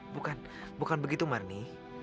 bukan bukan begitu marni